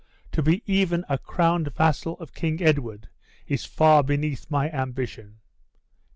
To be even a crowned vassal of King Edward is far beneath my ambition.